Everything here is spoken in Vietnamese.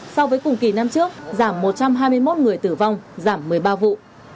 so với cùng kỳ năm trước giảm một trăm hai mươi một người tử vong giảm một mươi ba vụ